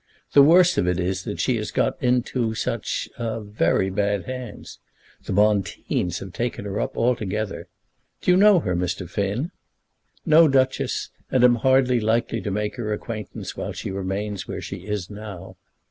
The worst of it is that she has got into such very bad hands. The Bonteens have taken her up altogether. Do you know her, Mr. Finn?" "No, Duchess; and am hardly likely to make her acquaintance while she remains where she is now."